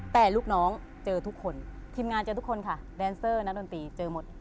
แต่ลูกน้องเจอทุกคนทีมงานเจอทุกคนค่ะแดนเซอร์นักดนตรีเจอหมด